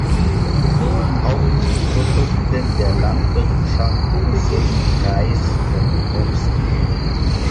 Hauptprodukte der Landwirtschaft sind Reis und Obst.